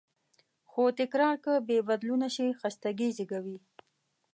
خو تکرار که بېبدلونه شي، خستګي زېږوي.